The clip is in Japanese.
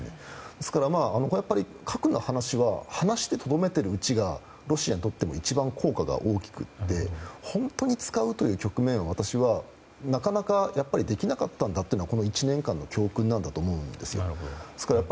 ですから、これはやっぱり核の話は話でとどめるうちがロシアにとっても一番効果が大きくて本当に使うという局面は私は、なかなかやっぱりできなかったんだというのがこの１年間の教訓なんだと思うんですよ。